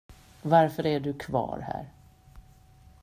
Varför är du kvar här?